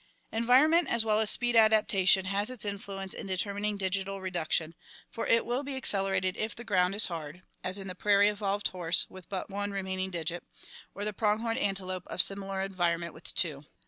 Environment as well as speed adaptation has its influence in determining digital reduction, for it will be accelerated if the ground is hard, as in the prairie evolved horse with but one remaining digit, or the pronghorn antelope of similar environment with two.